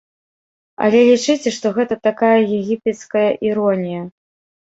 Але лічыце, што гэта такая егіпецкая іронія.